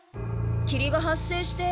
きりが発生して。